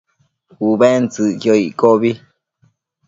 Ubentsëcquio iccobi